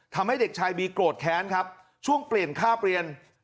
งั้นครับช่วงเปลี่ยนคาเบียน